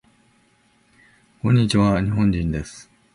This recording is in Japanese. こんにちわ。日本人です。